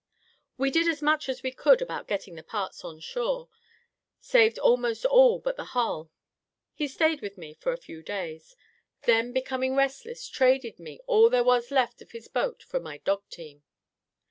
"We did as much as we could about getting the parts on shore; saved almost all but the hull. He stayed with me for a few days; then, becoming restless, traded me all there was left of his boat for my dog team.